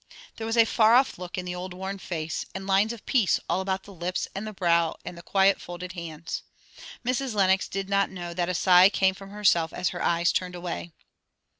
There was a far off look on the old worn face, and lines of peace all about the lips and the brow and the quiet folded hands. Mrs. Lenox did not know that a sigh came from herself as her eyes turned away.